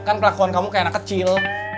kan pelakon kamu kayaknya kecil